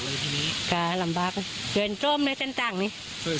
มันก็ลำบากเลยทีนี้